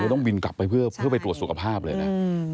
ต้องบินกลับไปเพื่อไปตรวจสุขภาพเลยนะ